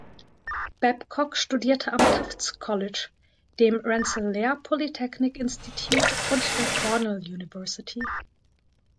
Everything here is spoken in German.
Babcock studierte am Tufts College, dem Rensselaer Polytechnic Institute und der Cornell University.